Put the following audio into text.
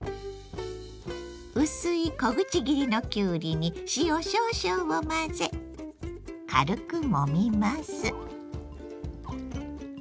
薄い小口切りのきゅうりに塩少々を混ぜ軽くもみます。